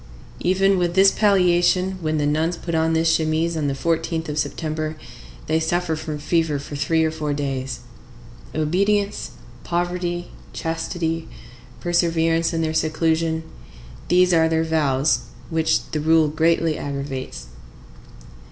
Even with this palliation, when the nuns put on this chemise on the 14th of September, they suffer from fever for three or four days. Obedience, poverty, chastity, perseverance in their seclusion,—these are their vows, which the rule greatly aggravates.